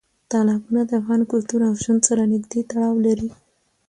تالابونه د افغان کلتور او ژوند سره نږدې تړاو لري.